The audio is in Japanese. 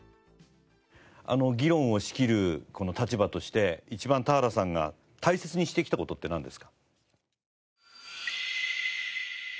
議論を仕切る立場として一番田原さんが大切にしてきた事ってなんですか？